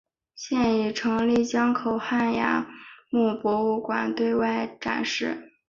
现已成立江口汉崖墓博物馆对外展示。